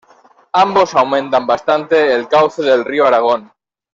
Ambos aumentan bastante el cauce del río Aragón.